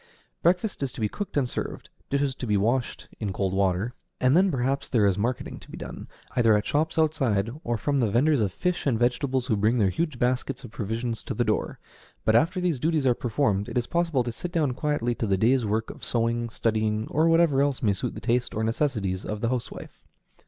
Breakfast is to be cooked and served, dishes to be washed (in cold water); and then perhaps there is marketing to be done, either at shops outside or from the vendors of fish and vegetables who bring their huge baskets of provisions to the door; but after these duties are performed, it is possible to sit down quietly to the day's work of sewing, studying, or whatever else may suit the taste or necessities of the housewife.